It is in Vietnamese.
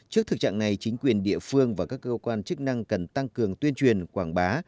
trước thực trạng này chính quyền địa phương và các cơ quan chức năng cần tăng cường tuyên truyền quảng bá